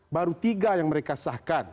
baru tiga yang mereka sahkan